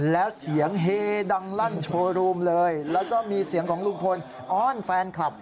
แล้วเสียงเฮดังลั่นโชว์รูมเลยแล้วก็มีเสียงของลุงพลอ้อนแฟนคลับ